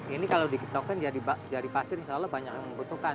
ini kalau diketoken jari pasir insya allah banyak yang membutuhkan